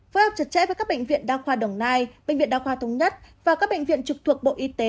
phối hợp chặt chẽ với các bệnh viện đa khoa đồng nai bệnh viện đa khoa thống nhất và các bệnh viện trực thuộc bộ y tế